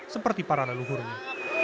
seperti para leluhurnya